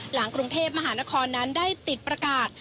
หลังกรุงเทพมหานครนั้นได้ติดประกาศ